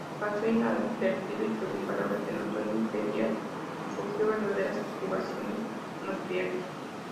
Pasó inadvertido y, según palabras de Antonio F. Díaz, sufrió verdaderas privaciones materiales.